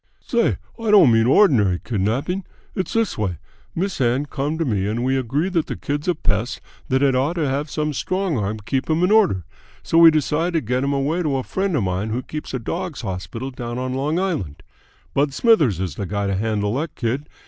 "Say, I don't mean ordinary kidnapping. It's this way. Miss Ann come to me and we agree that the kid's a pest that had ought to have some strong arm keep him in order, so we decide to get him away to a friend of mine who keeps a dogs' hospital down on Long Island. Bud Smithers is the guy to handle that kid.